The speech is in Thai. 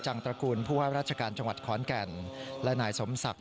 ตระกูลผู้ว่าราชการจังหวัดขอนแก่นและนายสมศักดิ์